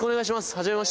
はじめまして。